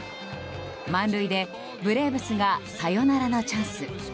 満塁でブレーブスがサヨナラのチャンス。